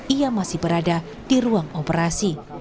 ia masih berada di ruang operasi